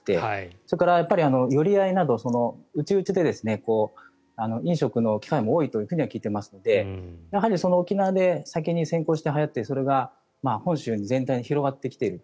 それから寄り合いなど内々で飲食の機会も多いと聞いてますのでやはり沖縄で先に先行してはやってそれが本州全体に広がってきている。